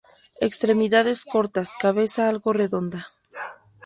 Extremidades cortas, cabeza algo redonda.